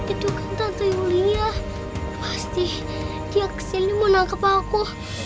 itu kan tante yulia pasti dia kesini mau nangkep aku